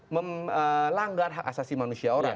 melanggar hak asasi manusia orang